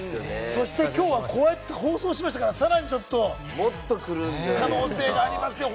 そして、きょうはこうやって放送しましたから、さらにもっと来る可能性がありますよ。